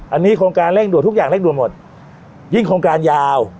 อันนี้โครงการเร่งด่วนทุกอย่างเร่งด่วนหมดยิ่งโครงการยาว